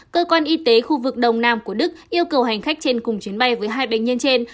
cơ quan y tế khu vực đồng nam của đức yêu cầu hành khách trên cùng chuyến bay với hai bệnh nhân trên